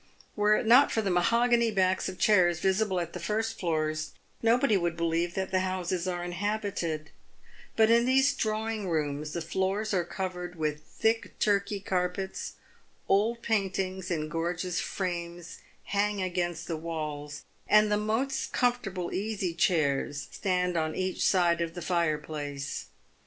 Were it not for the mahogany backs of chairs visible at the first floors, nobody would believe that the houses are inhabited ; but in these drawing rooms the floors are covered with thick Turkey carpets — old paintings in gorgeous frames hang against the walls, and the most comfortable easy chairs stand on each side of the fireplace.